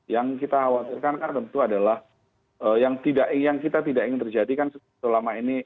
yang kita khawatirkan kan tentu adalah yang kita tidak ingin terjadikan selama ini